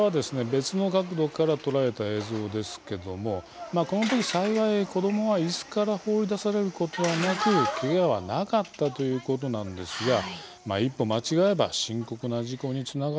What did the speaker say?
別の角度から捉えた映像ですけどもまあこの時幸い子供は椅子から放り出されることはなくけがはなかったということなんですがまあ一歩間違えば深刻な事故につながったおそれもあったんですね。